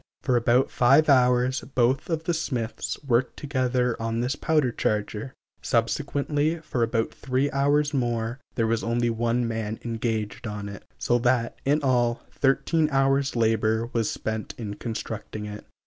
For about five hours both of the smiths worked together on this powder charger; subsequently, for about three hours' more, there was only one man engaged on it; so that, in all, thirteen hours labor was spent in constructing it.